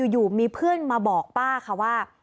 อยู่มีเพื่อนมาบอกป้าค่ะว่า